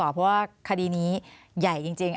เพราะว่าคดีนี้ใหญ่จริง